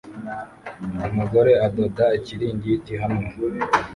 Umugore adoda ikiringiti hamwe